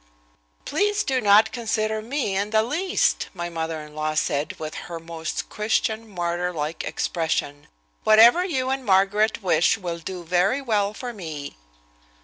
"Please do not consider me in the least," my mother in law said with her most Christian martyr like expression. "Whatever you and Margaret wish will do very well for me."